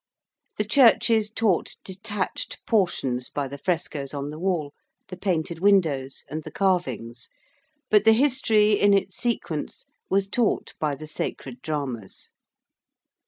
The churches taught detached portions by the frescoes on the wall, the painted windows and the carvings: but the history in its sequence was taught by the Sacred Dramas.